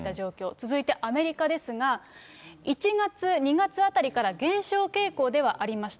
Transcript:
続いてアメリカですが、１月、２月あたりから減少傾向ではありました。